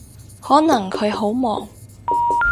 可能佢好忙